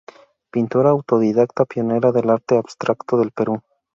Pintora autodidacta pionera del arte abstracto del Perú.